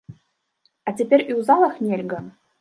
А цяпер і ў залах нельга!?